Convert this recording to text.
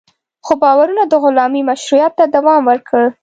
خو باورونه د غلامۍ مشروعیت ته دوام ورکړ.